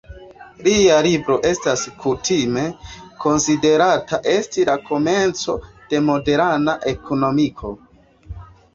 Lia libro estas kutime konsiderata esti la komenco de moderna ekonomiko.